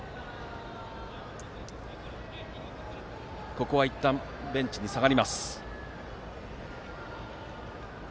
ここはいったんベンチに下がります。